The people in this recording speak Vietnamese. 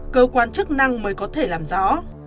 cơ quan chức năng mới có thể làm rõ